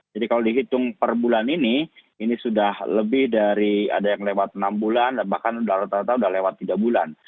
jadi kalau dihitung per bulan ini ini sudah lebih dari ada yang lewat enam bulan dan bahkan sudah lewat tiga bulan